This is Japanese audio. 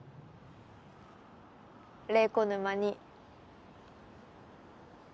怜子沼に！